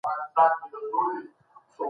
زه هیڅکله د خپل مسلک څخه نه ستړی کيږم.